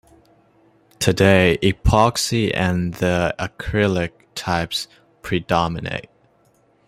Today, epoxy and the acrylic types predominate.